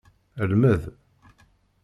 Lmed.